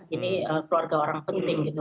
ini keluarga orang penting gitu